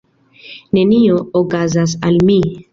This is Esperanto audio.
Nenio okazas al mi.